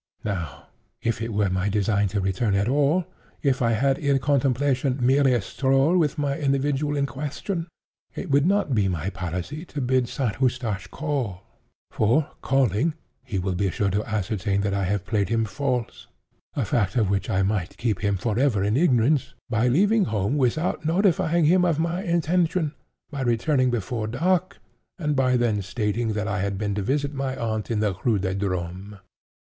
Now, if it were my design to return at all—if I had in contemplation merely a stroll with the individual in question—it would not be my policy to bid St. Eustache call; for, calling, he will be sure to ascertain that I have played him false—a fact of which I might keep him for ever in ignorance, by leaving home without notifying him of my intention, by returning before dark, and by then stating that I had been to visit my aunt in the Rue des Drômes.